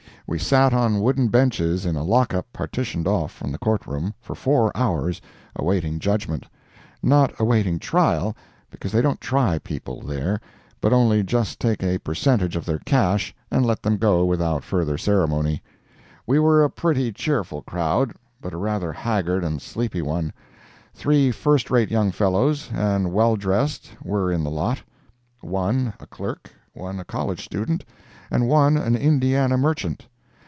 We sat on wooden benches in a lock up partitioned off from the Court Room, for four hours, awaiting judgment—not awaiting trial, because they don't try people there, but only just take a percentage of their cash, and let them go without further ceremony. We were a pretty cheerful crowd, but a rather haggard and sleepy one. Three first rate young fellows, and well dressed, were in the lot—one a clerk, one a college student, and one an Indiana merchant.